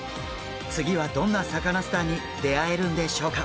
次はどんなサカナスターに出会えるんでしょうか。